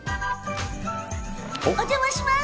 お邪魔します。